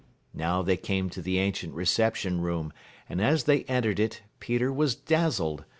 Now they came to the ancient reception room, and as they entered it Peter was dazzled.